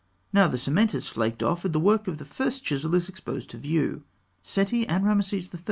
Now, the cement has flaked off, and the work of the first chisel is exposed to view. Seti I. and Rameses III.